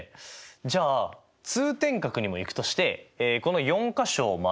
じゃあ通天閣にも行くとしてこの４か所を周る順列の総数は。